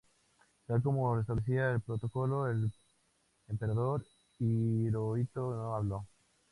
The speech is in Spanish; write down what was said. Tal como establecía el protocolo el emperador Hirohito no habló.